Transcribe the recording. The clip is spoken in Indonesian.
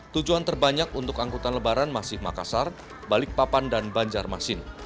tujuan terbanyak untuk angkutan lebaran masih makassar balikpapan dan banjarmasin